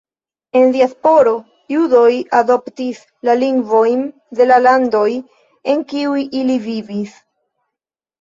En diasporo judoj adoptis la lingvojn de la landoj en kiuj ili vivis.